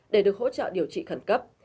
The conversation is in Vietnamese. để được hỗ trợ điều trị khẩn cấp